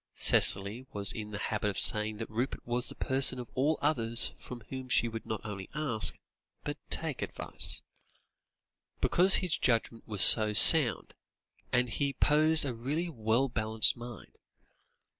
Cicely was in the habit of saying that Rupert was the person of all others from whom she would not only ask, but take, advice; because his judgment was so sound and he possessed a really well balanced mind.